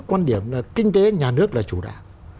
quan điểm là kinh tế nhà nước là chủ đảng